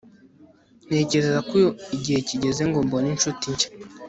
ntekereza ko igihe kigeze ngo mbone inshuti nshya